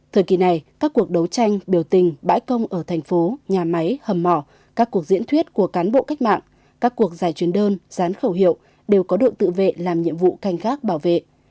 thời kỳ này các cuộc đấu tranh biểu tình bãi công ở thành phố nhà máy hầm mỏ các cuộc diễn thuyết của cán bộ cách mạng các cuộc giải chuyên đơn gián khẩu hiệu đều có đội tự vệ làm nhiệm vụ canh gác bảo vệ